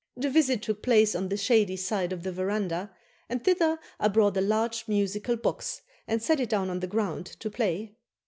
The visit took place on the shady side of the verandah, and thither I brought a large musical box and set it down on the ground to play.